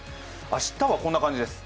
明日はこんな感じです。